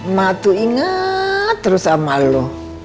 ma tuh inget terus sama lo